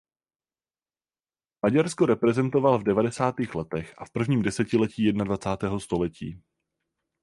Maďarsko reprezentoval v devadesátých letech a v prvním desetiletí jednadvacátého století.